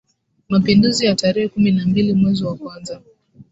Mapinduzi ya tarehe kumi na mbili mwezi wa kwanza